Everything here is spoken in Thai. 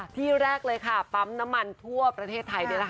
ที่แรกเลยค่ะปั๊มน้ำมันทั่วประเทศไทย